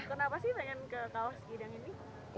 kenapa sih pengen ke kawah segidang ini